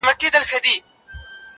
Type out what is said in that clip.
وګړي تښتي له ګاونډیانو.!